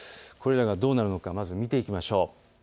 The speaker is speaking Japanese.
これらがどうなるのか見ていきましょう。